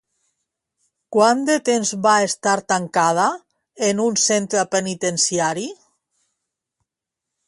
Quant de temps va estar tancada en un centre penitenciari?